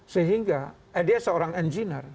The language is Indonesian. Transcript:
sehingga dia seorang engineer